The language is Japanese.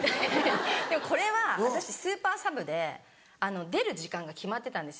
でもこれは私スーパーサブで出る時間が決まってたんですよ。